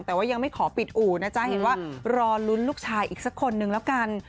แต่ว่ายังไม่ขอปิดอู่นะจ๊ะเห็นว่ารอลุ้นลูกชายอีกสักคนนึงแล้วกัน